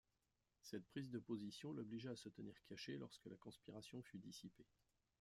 Cette prise de position l'obligea à se tenir caché lorsque la conspiration fut dissipée.